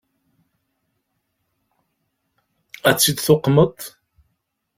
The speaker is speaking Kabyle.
Ad tt-id-tuqmeḍ?